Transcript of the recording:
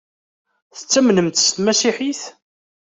Tettamnemt s tmasiḥit?